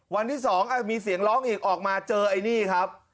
วันที่๒มีเสียงร้องอีกออกมาเจอไอ้นี่ครับ